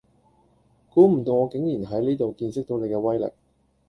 估唔到我竟然喺呢度見識到你既威力